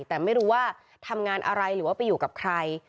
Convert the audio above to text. แต่ไม่รู้ว่าทำงานอะไรหรือว่าไปอยู่กับใคร